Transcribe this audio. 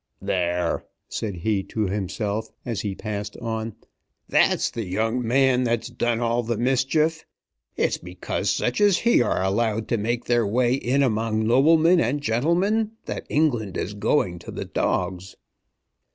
"There," said he to himself, as he passed on, "that's the young man that's done all the mischief. It's because such as he are allowed to make their way in among noblemen and gentlemen that England is going to the dogs."